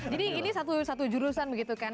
ini satu jurusan begitu kan